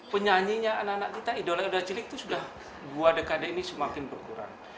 penyanyinya anak anak kita idola idola cilik itu sudah dua dekade ini semakin berkurang